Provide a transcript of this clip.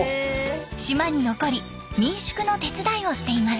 島に残り民宿の手伝いをしています。